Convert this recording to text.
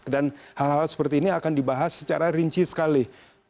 dan hal hal seperti ini akan dibahas secara rinci sekali